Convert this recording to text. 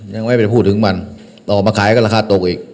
ยังไม่ได้พูดถึงมันต่อมาขายก็ราคาตกอีก